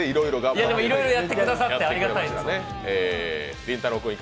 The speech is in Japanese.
いろいろやってくださって、ありがたい。